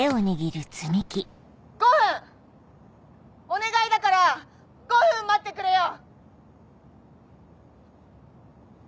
お願いだから５分待ってくれよ！